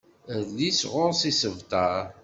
Adlis ɣur-s isebtar.